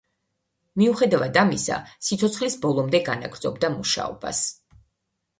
მიუხედავად ამისა, სიცოცხლის ბოლომდე განაგრძობდა მუშაობას.